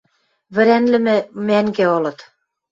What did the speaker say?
Вӹрӓнлӹмӹ мӓнгӹ ылыт.